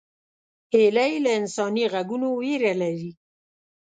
هیلۍ له انساني غږونو ویره لري